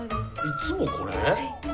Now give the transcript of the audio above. いつもこれ？